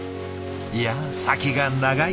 いや先が長い。